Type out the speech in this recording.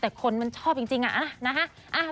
แต่คนมันชอบจริงอะเอาล่ะนะฮะ